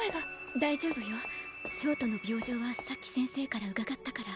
大丈夫よ焦凍の病状はさっき先生から伺ったから。